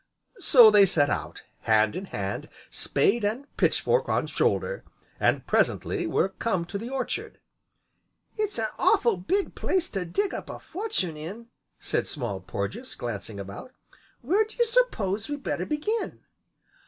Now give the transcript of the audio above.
So they set out, hand in hand, spade and pitch fork on shoulder, and presently were come to the orchard. "It's an awful big place to dig up a fortune in!" said Small Porges, glancing about. "Where do you s'pose we'd better begin?"